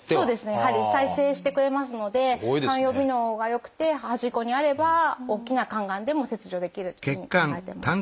やはり再生してくれますので肝予備能が良くて端っこにあれば大きな肝がんでも切除できるというふうに考えています。